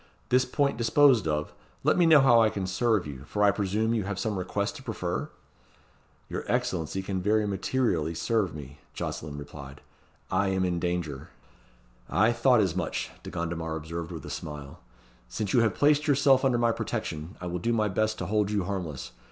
"This point disposed of, let me know how I can serve you, for I presume you have some request to prefer?" "Your Excellency can very materially serve me," Jocelyn returned. "I am in danger." "I thought as much," De Gondomar observed with a smile. "Since you have placed yourself under my protection, I will do my best to hold you harmless.